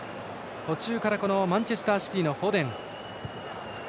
途中からマンチェスターシティーフォデン。